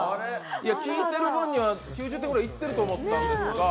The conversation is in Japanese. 聴いてる分には９０点ぐらいいってるかと思ったんですが。